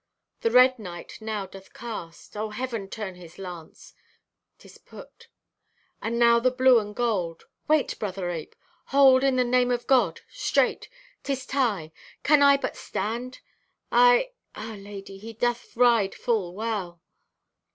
"The red knight now doth cast! O Heaven turn his lance! "'Tis put! "And now the blue and gold! Wait, brother ape! Hold, in the name of God! Straight! 'Tis tie! Can I but stand? "I—ah, lady, he doth ride full well.